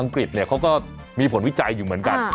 กฤษเขาก็มีผลวิจัยอยู่เหมือนกัน